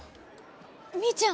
みーちゃん